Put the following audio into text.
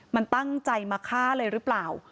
มันตั้งใจมาฆ่าเลยหรือเปล่า